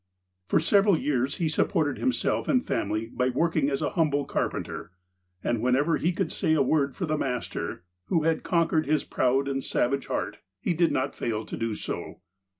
For several years he supported himself and family by working as an humble carpenter, and whenever he could say a word for the Master, who had conquei ed his proud and savage heart, he did not fail so to do.